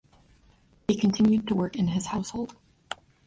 They continued to work in his household.